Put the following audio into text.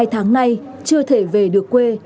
hai tháng nay chưa thể về được quê